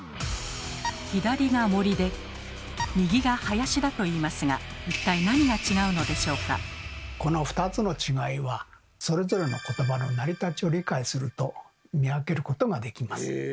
左が森で右が林だといいますが一体この２つの違いはそれぞれのことばの成り立ちを理解すると見分けることができます。